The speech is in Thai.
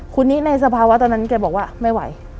คนนี้ในสภาวะตอนนั้นแกบอกว่าไม่ไหว